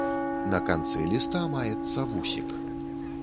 На канцы ліста маецца вусік.